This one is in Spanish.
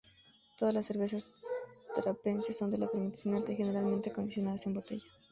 Todas las cervezas trapenses son de fermentación alta, y generalmente acondicionadas en botella.